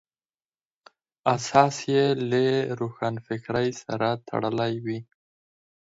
اساس یې له روښانفکرۍ سره تړلی وي.